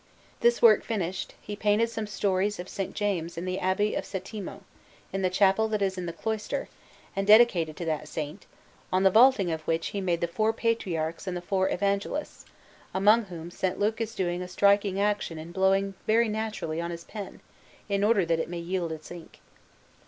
This work finished, he painted some stories of S. James in the Abbey of Settimo, in the chapel that is in the cloister, and dedicated to that Saint, on the vaulting of which he made the four Patriarchs and the four Evangelists, among whom S. Luke is doing a striking action in blowing very naturally on his pen, in order that it may yield its ink.